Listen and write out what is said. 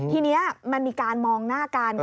ทีนี้มันมีการมองหน้ากัน